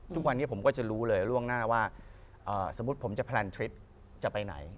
ทุกวันนี้ผมก็จะรู้เลยล่วงหน้าว่าสมมุติผมจะแพลนทริปจะไปไหน